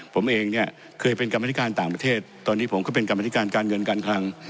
ผมเองเนี่ยเคยเป็นกรรมธิการต่างประเทศตอนนี้ผมก็เป็นกรรมธิการการเงินการคลัง